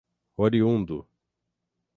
oriundo